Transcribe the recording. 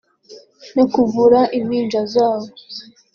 no kuvura impinja zabo